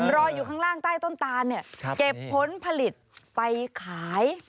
รออยู่ข้างล่างใต้ต้นตานเนี่ยเก็บผลผลิตไปขาย